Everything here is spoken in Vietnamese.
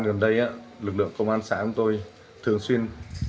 thời gian gần đây lực lượng công an xã của tôi thường xuyên